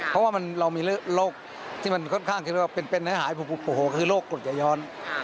เพราะว่าเรามีโรคที่ค่อนข้างเป็นหายปุ๊บโอ้โฮคือโรคกรุดยะย้อน